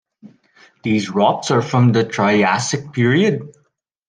These rocks are from the Triassic period.